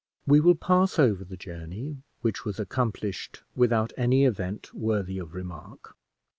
We will pass over the journey, which was accomplished without any event worthy of remark.